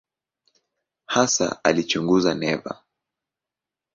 Hasa alichunguza neva.